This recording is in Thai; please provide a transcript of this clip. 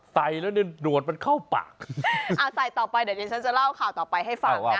เต๋ยแล้วเนี่ยดวนมันเข้าปากเอาต่อไปเดี๋ยวฉันจะเล่าข่าวต่อไปให้ฟัง